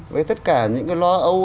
với tất cả những cái lo âu